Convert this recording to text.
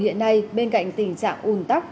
hiện nay bên cạnh tình trạng ồn tắc